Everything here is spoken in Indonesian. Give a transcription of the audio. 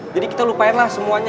jadi kita lupain lah semuanya